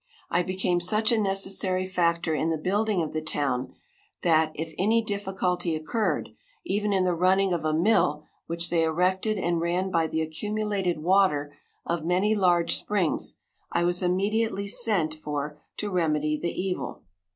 I became such a necessary factor in the building of the town that, if any difficulty occurred, even in the running of a mill which they erected and ran by the accumulated water of many large springs, I was immediately sent for to remedy the evil.